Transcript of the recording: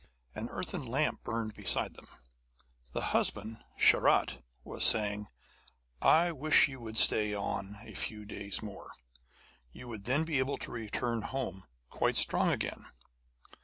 An earthen lamp burned beside them. The husband, Sharat, was saying: 'I wish you would stay on a few days more; you would then be able to return home quite strong again.'